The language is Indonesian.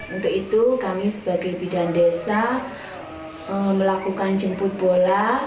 untuk itu kami sebagai bidan desa melakukan jemput bola